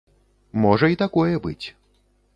Можа і такое быць.